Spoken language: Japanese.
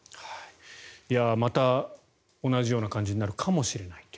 また同じような感じになるかもしれないと。